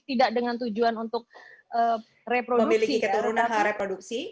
tidak dengan tujuan untuk reproduksi keturunan reproduksi